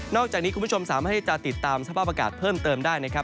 อกจากนี้คุณผู้ชมสามารถที่จะติดตามสภาพอากาศเพิ่มเติมได้นะครับ